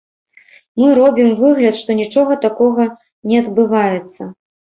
Мы робім выгляд, што нічога такога не адбывацца.